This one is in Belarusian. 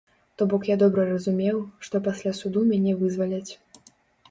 То бок я добра разумеў, што пасля суду мяне вызваляць.